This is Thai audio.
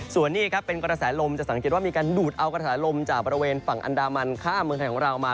ส่วนนี้ครับเป็นกระแสลมจะสังเกตว่ามีการดูดเอากระแสลมจากบริเวณฝั่งอันดามันข้ามเมืองไทยของเรามา